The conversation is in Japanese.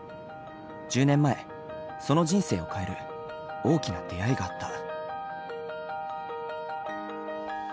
１０年前その人生を変える大きな出会いがあった。